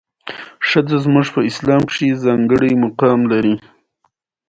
زه د هوټل د کوټو مسؤل ته ورتېر شم او کیلۍ ورنه واخلم.